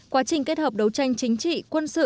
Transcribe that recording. quá trình kết hợp đấu tranh chính trị quân sự